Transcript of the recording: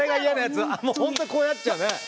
あもう本当にこうなっちゃうね。